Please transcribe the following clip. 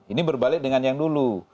ini berbalik dengan yang dulu